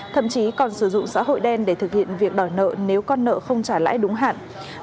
thậm chí còn sử dụng xã hội đen để thực hiện việc đòi nợ nếu con nợ không trả lãi đúng hạn